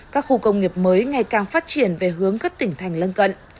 các khu công nghiệp mới ngày càng phát triển về hướng các tỉnh thành lân cận